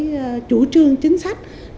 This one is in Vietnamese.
cái chủ trương chính sách